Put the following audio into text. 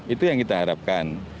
itu yang kita harapkan